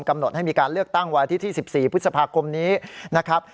กำหนดให้มีการเลือกตั้งวันอาทิตย์ที่๑๔พฤษภาคมนี้นะครับ